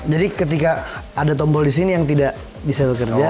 jadi ketika ada tombol disini yang tidak bisa dikerja